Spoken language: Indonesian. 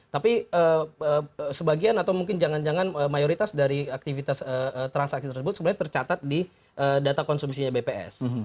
tapi sebagian atau mungkin jangan jangan mayoritas dari aktivitas transaksi tersebut sebenarnya tercatat di data konsumsinya bps